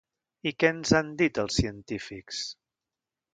I què ens han dit els científics?